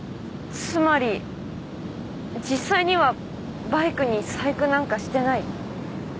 つまり実際にはバイクに細工なんかしてない？